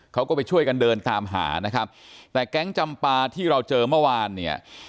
เขาก็ไปช่วยกันเดินตามหานะครับแต่แก๊งจำปาที่เราเจอเมื่อวานเนี่ย